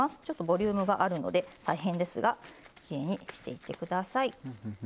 ちょっとボリュームがあるので大変ですがきれいにしていってください。